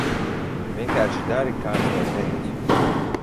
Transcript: Vienkārši dari, kā es tev teicu.